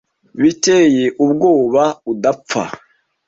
Biteye ubwoba; Udapfa